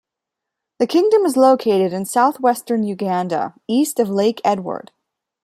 The kingdom is located in south-western Uganda, east of Lake Edward.